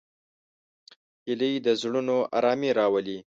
هیلۍ د زړونو آرامي راولي